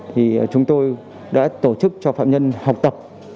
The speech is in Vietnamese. thì chúng tôi đã tổ chức cho phạm nhân học tập